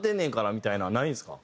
みたいなんないんですか？